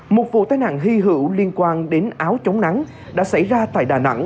một vụ tai nạn hy hữu liên quan đến áo chống nắng đã xảy ra tại đà nẵng